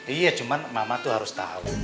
iya cuma mama tuh harus tahu